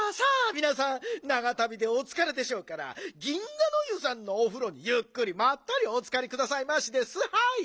みなさんながたびでおつかれでしょうから銀河ノ湯さんのおふろにゆっくりまったりおつかりくださいましですはい！